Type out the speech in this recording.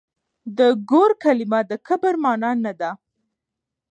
د ګور کلمه د کبر مانا نه ده.